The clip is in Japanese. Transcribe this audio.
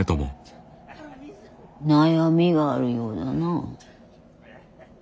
悩みがあるようだな。